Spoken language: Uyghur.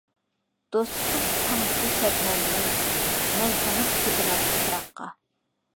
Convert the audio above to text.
دوست تۇتۇپ تاڭدىكى شەبنەمنى، مەن سىڭىپ كېتىمەن تۇپراققا.